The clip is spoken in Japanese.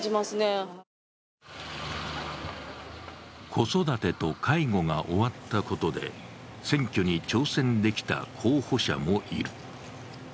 子育てと介護が終わったことで選挙に挑戦できた候補者もいる。